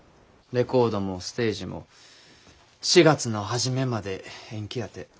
レコードもステージも４月の初めまで延期やて。